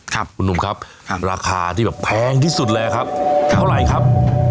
ครับคุณหนุ่มครับราคาที่แบบแพงที่สุดเลยครับเท่าไหร่ครับ